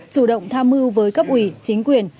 chủ động tham mưu với cấp ủy chính quyền